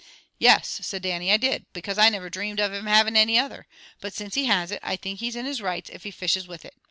"Yes," said Dannie, "I did. Because I never dreamed of him havin' any other. But since he has it, I think he's in his rights if he fishes with it.